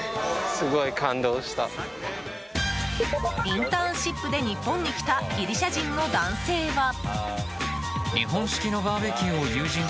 インターンシップで日本に来たギリシャ人の男性は。